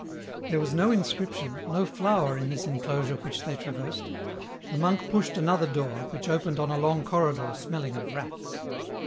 There was no inscription, no flower in this enclosure which they traversed; the monk pushed another door, which opened on a long corridor smeUing of rats.